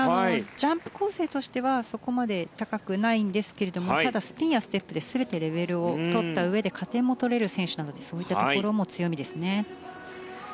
ジャンプ構成としてはそこまで高くないんですけどもただ、スピンやステップで全てレベルを取ったうえで加点も取れる選手なのでそういったところも強みですね。